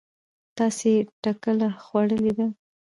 تاسې ټکله خوړلې ده؟